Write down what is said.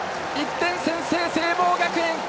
１点先制、聖望学園！